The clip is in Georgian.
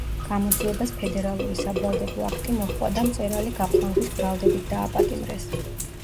გამოძიებას ფედერალური საბრალდებო აქტი მოჰყვა და მწერალი გაფლანგვის ბრალდებით დააპატიმრეს.